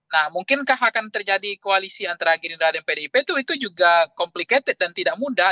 nah mungkinkah akan terjadi koalisi antara gerindra dan pdip itu juga complicated dan tidak mudah